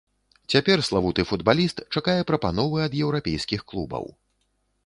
Цяпер славуты футбаліст чакае прапановы ад еўрапейскіх клубаў.